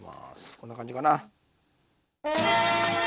こんな感じかな。